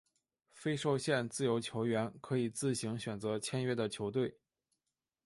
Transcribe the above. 非受限自由球员可以自行选择签约的球队。